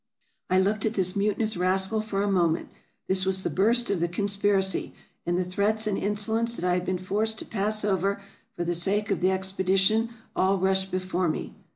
I looked at this mutinous rascal for a moment; this was the burst of the conspiracy, and the threats and insolence that I had been forced to pass over for the sake of the ex pedition all rushed before me.